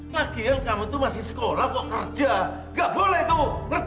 lagian kamu tuh masih sekolah kok kerja